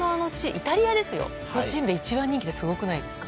イタリアのチームで一番人気ってすごくないですか。